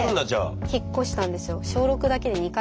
それで引っ越したんですよ。